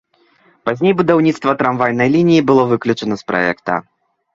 Пазней будаўніцтва трамвайнай лініі было выключана з праекта.